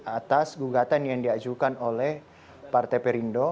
atas gugatan yang diajukan oleh partai perindo